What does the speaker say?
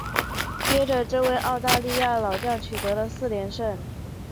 接着这位澳大利亚老将取得了四连胜。